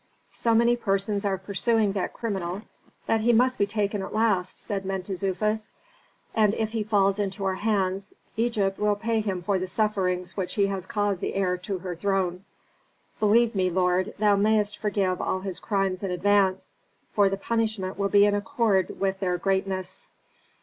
"So many persons are pursuing that criminal that he must be taken at last," said Mentezufis. "And if he falls into our hands Egypt will pay him for the sufferings which he has caused the heir to her throne. Believe me, lord, thou mayst forgive all his crimes in advance, for the punishment will be in accord with their greatness."